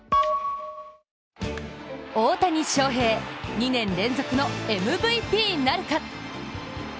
大谷翔平、２年連続のＭＶＰなるか。